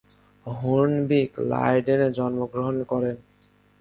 হুর্নবিক লাইডেনে জন্মগ্রহণ করেন।